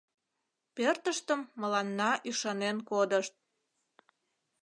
Пӧртыштым мыланна ӱшанен кодышт.